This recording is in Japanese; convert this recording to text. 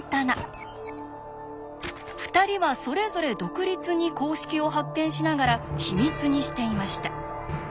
２人はそれぞれ独立に公式を発見しながら秘密にしていました。